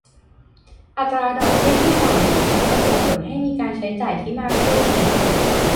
อัตราดอกเบี้ยที่ต่ำจะส่งผลให้มีการใช้จ่ายที่มากขึ้น